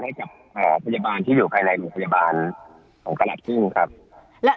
ให้จากหมอพยาบาลที่อยู่ภายในหมอพยาบาลของกระหลักซึ้งครับ